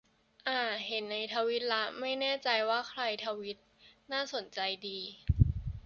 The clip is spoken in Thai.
อ่า เห็นในทวีตละ ไม่แน่ใจว่าใครทวีต น่าสนใจดี